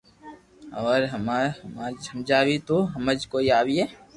ھواري ھمجاوي تو ھمج ڪوئي آوئي